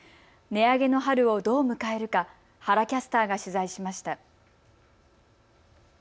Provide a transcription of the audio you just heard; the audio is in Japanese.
値上げの春をどう迎えるか、原キャスターが取材しました。